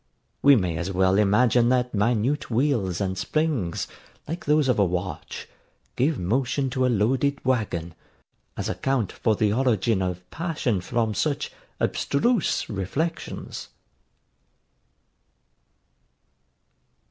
We may as well imagine that minute wheels and springs, like those of a watch, give motion to a loaded waggon, as account for the origin of passion from such abstruse reflections.